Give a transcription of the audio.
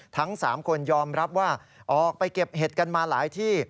ทั้ง๓คนยอมรับว่าออกไปเก็บเห็ดกันมาหลายที่